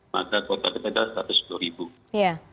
maka kuota kita sudah satu ratus sepuluh